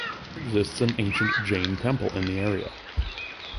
There exists an ancient Jain temple in the area.